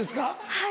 はい。